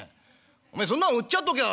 おめえそんなんうっちゃっときゃあ